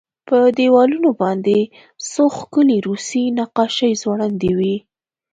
په دېوالونو باندې څو ښکلې روسي نقاشۍ ځوړندې وې